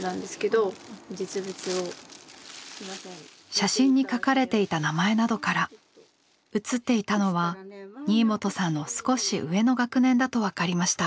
写真に書かれていた名前などから写っていたのは新元さんの少し上の学年だと分かりました。